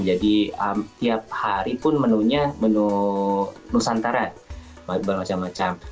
jadi tiap hari pun menunya menu nusantara macam macam